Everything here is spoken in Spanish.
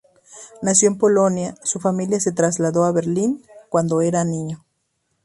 Nacido en Polonia, su familia se trasladó a Berlín cuando aún era niño.